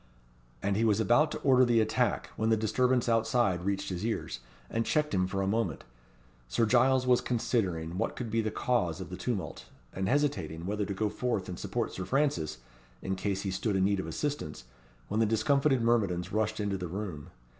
And he was about to order the attack, when the disturbance outside reached his ears, and checked him for a moment. Sir Giles was considering what could be the cause of the tumult, and hesitating whether to go forth and support Sir Francis, in case he stood in need of assistance, when the discomfited myrmidons rushed into the room.